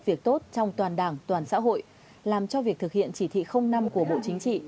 việc tốt trong toàn đảng toàn xã hội làm cho việc thực hiện chỉ thị năm của bộ chính trị